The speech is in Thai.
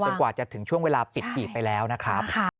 กว่าจะถึงช่วงเวลาปิดหีบไปแล้วนะครับ